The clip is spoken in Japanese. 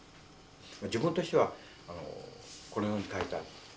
自分としてはこのように書いた。